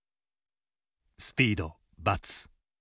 「スピード×」。